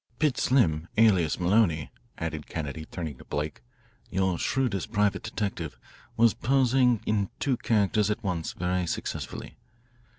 "Pitts Slim, alias Maloney," added Kennedy, turning to Blake, "your shrewdest private detective, was posing in two characters at once very successfully.